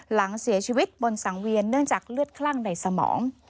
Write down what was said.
หลังเสียชีวิตบนสังเวียนเนื่องจากเลือดคลั่งในสมอง